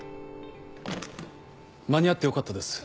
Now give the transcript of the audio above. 間に合ってよかったです